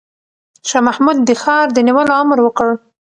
شاه محمود د ښار د نیولو امر وکړ.